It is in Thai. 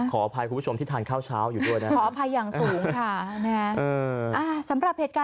ขออภัยครูผู้ชมที่ทานข้าวเช้าอยู่ด้วยนะฮะ